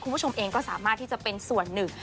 คุณผู้ชมเองก็สามารถที่จะเป็นส่วนหนึ่ง